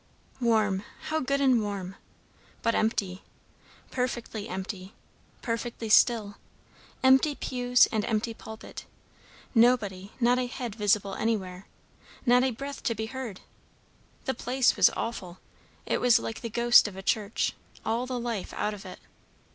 Warm, how good and warm! but empty. Perfectly empty. Perfectly still. Empty pews, and empty pulpit; nobody, not a head visible anywhere. Not a breath to be heard. The place was awful; it was like the ghost of a church; all the life out of it.